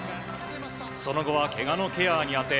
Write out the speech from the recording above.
その後はけがのケアに充て